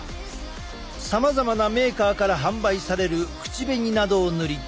さまざまなメーカーから販売される口紅などを塗り